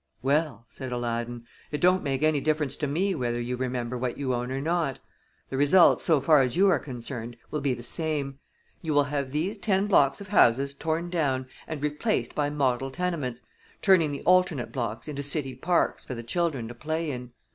"Well," said Aladdin, "it don't make any difference to me whether you remember what you own or not. The results so far as you are concerned will be the same. You will have these ten blocks of houses torn down and replaced by model tenements, turning the alternate blocks into city parks for the children to play in."